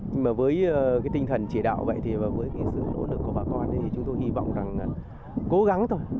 nhưng mà với cái tinh thần chỉ đạo vậy thì và với cái sự nỗ lực của bà con thì chúng tôi hy vọng rằng là cố gắng thôi